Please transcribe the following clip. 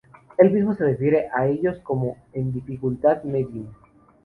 Él mismo se refiere a ellos como en dificultad "Medium".